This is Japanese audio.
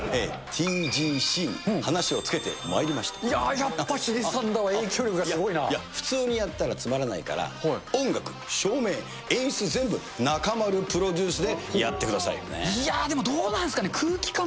ＴＧＣ、話をつけてまいりまいやー、やっぱヒデさんだわ、いや、普通にやったらつまらないから、音楽、照明、演出全部を中丸プロデュースでやってくだいやぁ、でもどうなんですかね。